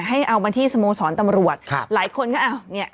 เอามาที่สโมสรตำรวจครับหลายคนก็อ้าวเนี่ย